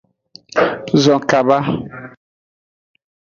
Zon kaba.